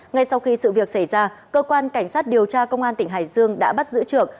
ngay sau khi sự việc xảy ra cơ quan cảnh sát điều tra công an tỉnh hải dương đã bắt giữ trưởng